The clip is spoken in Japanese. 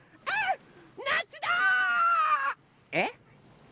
えっ？